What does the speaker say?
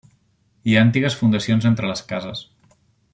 Hi ha antigues fundacions entre les cases.